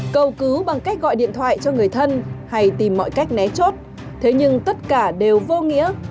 cầu cứu bằng cách gọi điện thoại cho người thân hay tìm mọi cách né chốt thế nhưng tất cả đều vô nghĩa